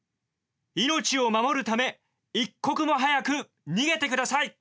命を守るため一刻も早く逃げてください！